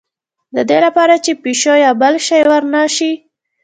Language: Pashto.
د دې لپاره چې پیشو یا بل شی ور نه شي.